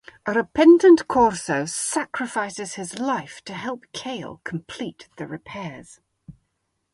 A repentant Korso sacrifices his life to help Cale complete the repairs.